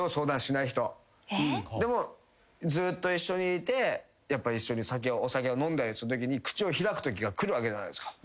ずっと一緒にいてお酒を飲んだりするときに口を開くときがくるわけじゃないですか。